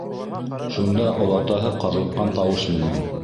Шунда олатаһы ҡарлыҡҡан тауыш менән: